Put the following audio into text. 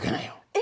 え？